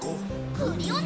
クリオネ！